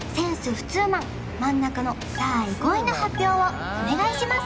ふつマン真ん中の第５位の発表をお願いします